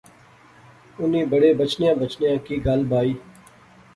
انیں بڑے بچنیاں بچنیاں کی گل بائی